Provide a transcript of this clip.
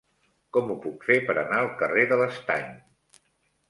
Com ho puc fer per anar al carrer de l'Estany?